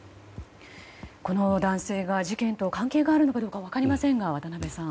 この男性が事件と関係があるのかどうか分かりませんが、渡辺さん。